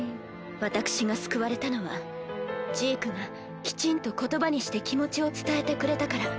私が救われたのはジークがきちんと言葉にして気持ちを伝えてくれたから。